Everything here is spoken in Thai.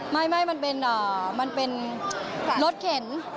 ไม่มันเป็นรถเข็น